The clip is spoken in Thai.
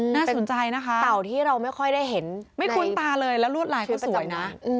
น่าสนใจนะคะเป็นเตาที่เราไม่ค่อยได้เห็นในชื่อประจำนานไม่คุ้นตาเลยแล้วรวดลายเขาสวยนะ